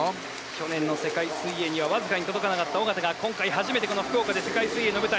去年の世界水泳にはわずかに届かなかった小方が今回、初めてこの福岡で世界水泳の舞台。